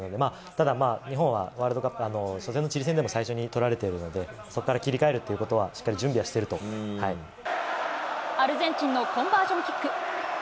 ただ日本はワールドカップ、初戦のチリ戦でも最初に取られているので、そこから切り替えるっていうことはしっかり準備はしてアルゼンチンのコンバージョンキック。